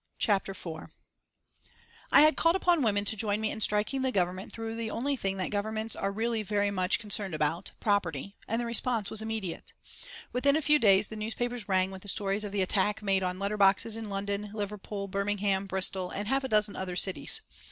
CHAPTER IV I had called upon women to join me in striking at the Government through the only thing that governments are really very much concerned about property and the response was immediate. Within a few days the newspapers rang with the story of the attack made on letter boxes in London, Liverpool, Birmingham, Bristol, and half a dozen other cities.